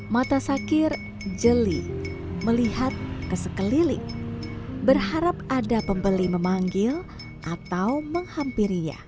mata sakir jeli melihat ke sekeliling berharap ada pembeli memanggil atau menghampirinya